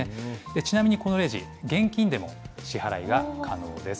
ちなみにこのレジ、現金でも支払いが可能です。